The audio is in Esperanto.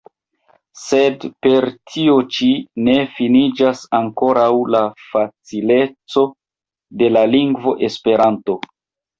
Sed per tio ĉi ne finiĝas ankoraŭ la facileco de la lingvo Esperanto.